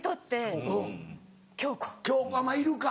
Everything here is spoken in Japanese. まぁいるか。